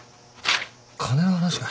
金の話か。